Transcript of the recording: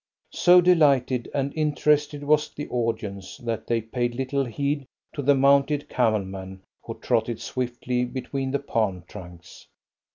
So delighted and interested was the audience that they paid little heed to a mounted camel man who trotted swiftly between the palm trunks.